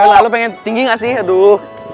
eh lo pengen tinggi gak sih aduh